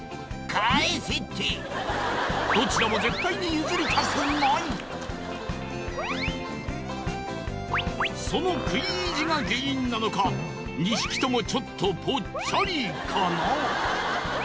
どちらも絶対にその食い意地が原因なのか２匹ともちょっとぽっちゃりかな？